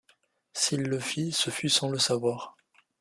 S’il le fit, ce fut sans le savoir.